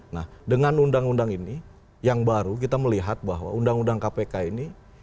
nah dengan undang undang ini yang baru kita melihat bahwa undang undang kpk ini